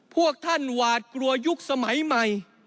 พวกท่านหวาดกลัวยุคสมัยใหม่